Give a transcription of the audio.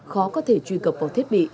khó có thể truy cập vào thiết bị